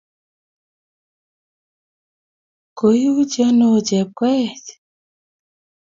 Koi uchi ano oo Chepkoech?